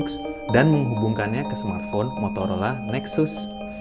kami menggunakan smartphone motorola nexus enam